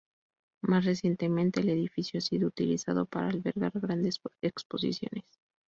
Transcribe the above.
Más recientemente, el edificio ha sido utilizado para albergar grandes exposiciones.